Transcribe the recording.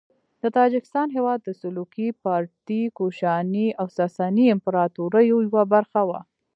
د تاجکستان هیواد د سلوکي، پارتي، کوشاني او ساساني امپراطوریو یوه برخه وه.